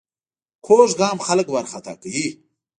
کوږ ګام خلک وارخطا کوي